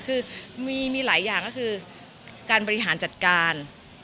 คือมีหลายอย่างก็คือการบริหารจัดการ